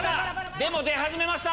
でも出始めました。